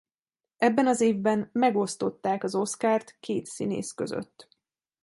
Ebben az évben megosztották az Oscart két színész között.